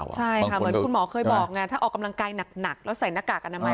ใช่ค่ะเหมือนคุณหมอเคยบอกไงถ้าออกกำลังกายหนักแล้วใส่หน้ากากอนามัย